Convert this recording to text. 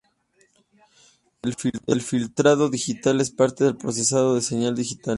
El filtrado digital es parte del procesado de señal digital.